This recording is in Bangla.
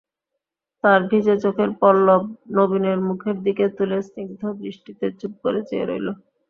তার ভিজে চোখের পল্লব নবীনের মুখের দিকে তুলে স্নিগ্ধদৃষ্টিতে চুপ করে চেয়ে রইল।